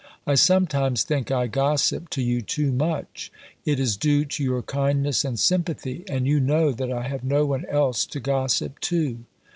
I sometimes think I gossip to you too much. It is due to your kindness and sympathy, and you know that I have no one else to gossip to."